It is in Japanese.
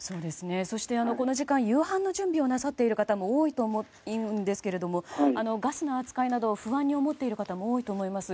そして、この時間夕飯の準備をなさっている方も多いと思うんですけれどもガスの扱いなど不安に思っている方も多いと思います。